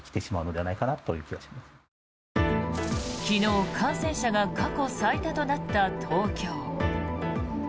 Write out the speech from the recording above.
昨日、感染者が過去最多となった東京。